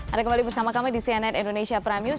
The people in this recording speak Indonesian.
ada kembali bersama kami di cnn indonesia pramius